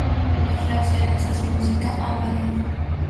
Las reacciones a su música han variado.